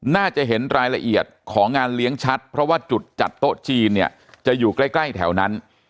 น่าจะเห็นรายละเอียดของงานเลี้ยงชัดเพราะว่าจุดจัดโต๊ะจีนเนี่ยจะอยู่ใกล้แถวนั้น